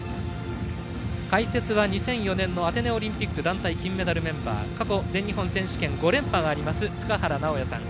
解説は２００４年のアテネオリンピック団体金メダルメンバー過去、全日本選手権５連覇があります塚原直也さん。